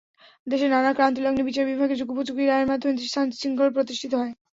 দেশের নানা ক্রান্তিলগ্নে বিচার বিভাগের যুগোপযোগী রায়ের মাধ্যমে দেশে শান্তি-শৃঙ্খলা প্রতিষ্ঠিত হয়।